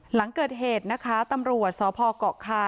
หลังเกิดเหตุนะคะตำรวจสพเกาะคา